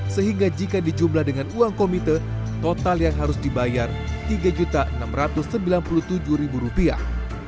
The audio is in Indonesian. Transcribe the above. sehingga jika dijumlah dengan uang komite total yang harus dibayar tiga enam ratus sembilan puluh tujuh rupiah